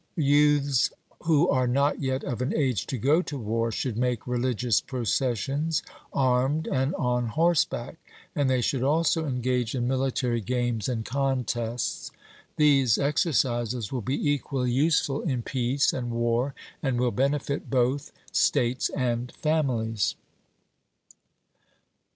Youths who are not yet of an age to go to war should make religious processions armed and on horseback; and they should also engage in military games and contests. These exercises will be equally useful in peace and war, and will benefit both states and families.